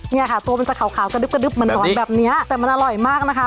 เนี่ยค่ะตัวมันจะขาวกระดึ๊กระดึ๊บเหมือนหนอนแบบนี้แต่มันอร่อยมากนะคะ